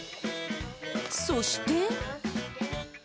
そして。